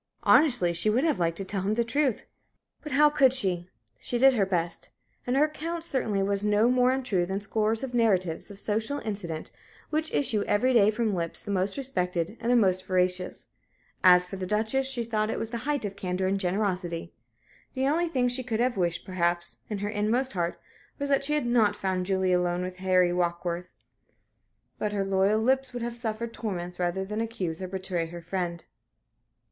Honestly, she would have liked to tell him the truth. But how could she? She did her best, and her account certainly was no more untrue than scores of narratives of social incident which issue every day from lips the most respected and the most veracious. As for the Duchess, she thought it the height of candor and generosity. The only thing she could have wished, perhaps, in her inmost heart, was that she had not found Julie alone with Harry Warkworth. But her loyal lips would have suffered torments rather than accuse or betray her friend.